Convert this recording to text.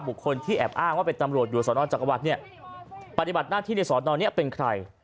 บุคคลที่แอบอ้างว่าเป็นตำรวจอยู่สนจักรวรรดิเนี่ยปฏิบัติหน้าที่ในสอนอนี้เป็นใคร